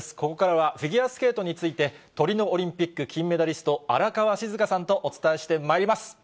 ここからはフィギュアスケートについて、トリノオリンピック金メダリスト、荒川静香さんとお伝えしてまいります。